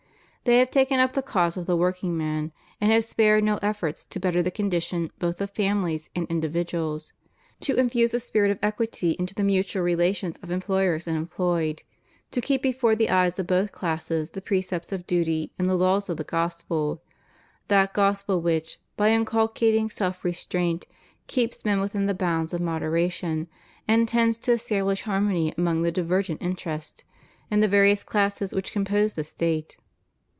They have taken up the cause of the workingman, and have spared no efforts to better the condition both of families and indi viduals; to infuse a spirit of equity into the mutual rela tions of employers and employed; to keep before the eyes of both classes the precepts of duty and the laws of the Gospel — that Gospel which, by inculcating self restraint, keeps men within the bounds of moderation, and tends to estabhsh harmony among the divergent interests, and the various classes which compose the State.